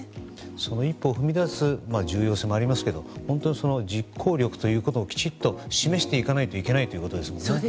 その一歩踏み出す重要性もありますが実行力ということをきちんと示していかなければいけないということですね。